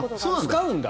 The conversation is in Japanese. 使うんだ。